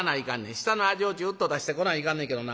下の味をジューッと出してこないかんねんけどな。